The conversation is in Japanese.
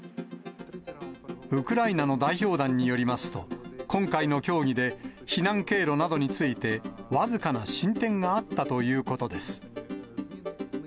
ウクライナの代表団によりますと、今回の協議で、避難経路などについて、僅かな進展があったということです。